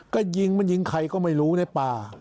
ก็ยิงไงก็ไม่รู้ในป่า